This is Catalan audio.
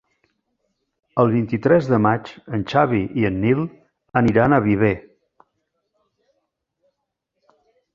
El vint-i-tres de maig en Xavi i en Nil aniran a Viver.